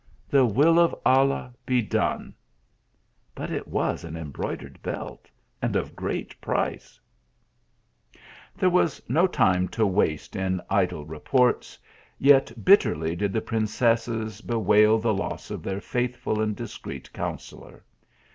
The will of Allah be done ! but it was an embroidered belt and of great price !" There was no time to waste in idle reports, yet bitterly did the princesses bewail the loss of their faithful and discreet counsellor.